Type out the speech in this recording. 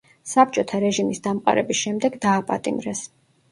საბჭოთა რეჟიმის დამყარების შემდეგ დააპატიმრეს.